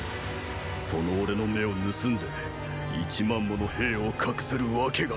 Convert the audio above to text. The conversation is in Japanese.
その俺の目を盗んで一万もの兵を隠せるわけがない。